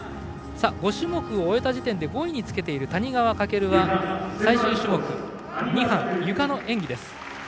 ５種目終えた時点で５位につけている谷川翔は最終種目、２班ゆかの演技です。